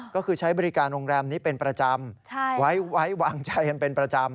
ก็คือใช้บริการโรงแรมนี้เป็นประจำไว้วางใจกันเป็นประจำ